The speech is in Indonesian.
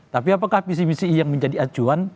tapi apakah pcmisi yang menjadi acuan